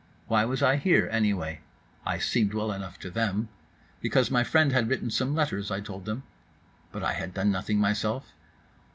Why was I here, anyway? I seemed well enough to them.—Because my friend had written some letters, I told them.—But I had done nothing myself?